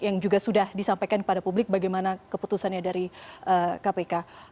yang juga sudah disampaikan kepada publik bagaimana keputusannya dari kpk